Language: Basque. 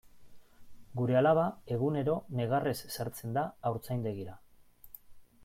Gure alaba egunero negarrez sartzen da haurtzaindegira.